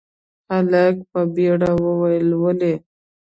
هلک په بيړه وويل، ولې؟